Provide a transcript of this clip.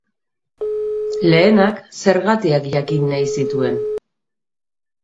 Lehenak zergatiak jakin nahi zituen.